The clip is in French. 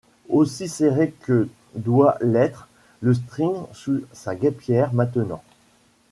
aussi serré que doit l'être le string sous sa guêpière maintenant.